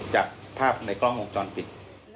จากภาพในกล้องวงจรปิด